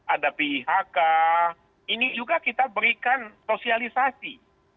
ada pihk ini juga kita berikan sosialisasi